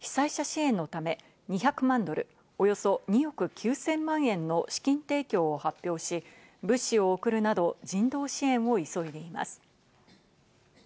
ＷＨＯ＝世界保健機関は、被災者支援のため２００万ドル＝およそ２億９０００万円の資金提供を発表し、物資を送るなど人道支援を急いでいます。